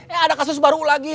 eh ada kasus baru lagi